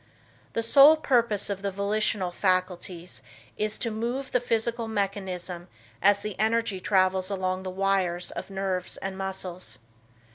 The sole purpose of the volitional faculties is to move the physical mechanism as the energy travels along the wires of nerves and muscles.